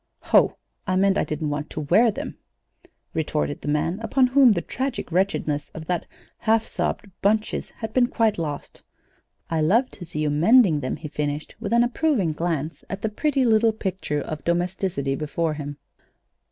"Ho! I meant I didn't want to wear them," retorted the man, upon whom the tragic wretchedness of that half sobbed "bunches" had been quite lost. "I love to see you mending them," he finished, with an approving glance at the pretty little picture of domesticity before him.